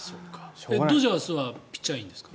ドジャースはピッチャーいいんですか？